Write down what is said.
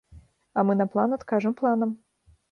А мы на план адкажам планам.